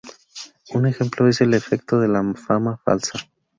Un ejemplo es el efecto de la fama falsa.